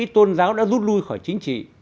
tôn giáo đã rút lui khỏi chính trị